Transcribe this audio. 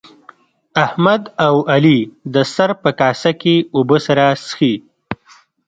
احمد او علي د سر په کاسه کې اوبه سره څښي.